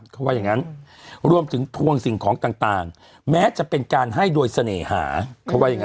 เขาว่าอย่างนั้นรวมถึงทวงสิ่งของต่างแม้จะเป็นการให้โดยเสน่หาเขาว่าอย่างนั้น